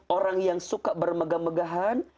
orang yang suka bermegah megahan